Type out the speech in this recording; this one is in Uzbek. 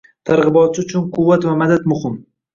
Targ‘ibotchi uchun quvvat va madad muhim.